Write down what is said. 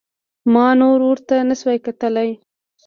ما نور ورته نسو کتلاى.